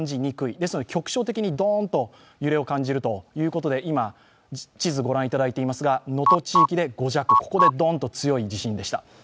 ですので局所的にドーンと揺れを感じるということで、今、地図ご覧いただいていますが能登地域で５弱、ここでドーンと強い地震でした。